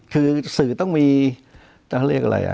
คือสื่อต้องมีเขาเรียกอะไร